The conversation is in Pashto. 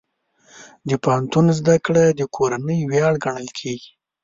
د پوهنتون زده کړه د کورنۍ ویاړ ګڼل کېږي.